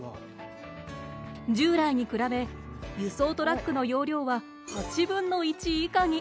従来に比べ、輸送トラックの容量は８分の１以下に。